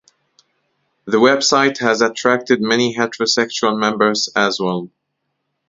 The website has attracted many heterosexual members as well.